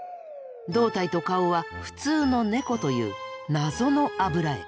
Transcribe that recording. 胴体と顔は普通のネコという謎の油絵。